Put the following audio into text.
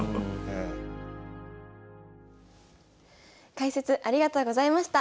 解説ありがとうございました。